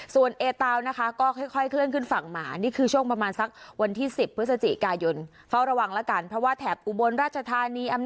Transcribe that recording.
ส่วนเอเตานะคะก็ค่อยเคลื่อนขึ้นฝั่งมานี่คือช่วงประมาณสักวันที่๑๐พฤศจิกายนเฝ้าระวังแล้วกันเพราะว่าแถบอุบลราชธานี